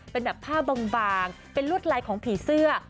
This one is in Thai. เป็นแบบผ้าบางเป็นลวดลายของผีเสื้อ